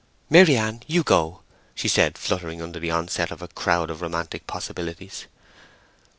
"Maryann, you go!" said she, fluttering under the onset of a crowd of romantic possibilities.